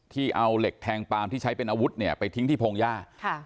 ที่เอาเหล็กแทงปามที่ใช้เป็นอาวุธไปทิ้งที่โพงย่า